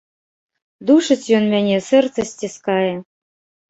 Душыць ён мяне, сэрца сціскае.